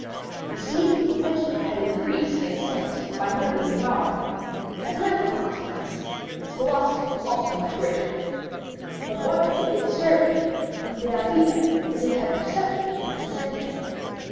The sweep of the pendulum had increased in extent by nearly a yard. As a natural consequence, its velocity was also much greater. But what mainly disturbed me was the idea that had perceptibly descended.